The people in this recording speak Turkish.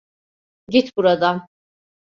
Git buradan.